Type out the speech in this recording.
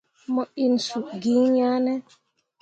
Mo inni suu gi iŋ yah ne.